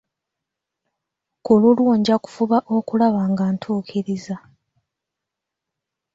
Ku lulwo nja kufuba okulaba nga nkituukiriza.